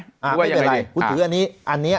ฝ่ายังไงดี